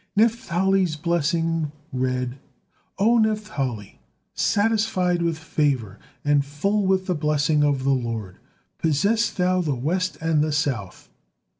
Naphtali's blessing read: "O Naphtali, satisfied with favor, and full with the blessing of the Lord: possess thou the west and the south."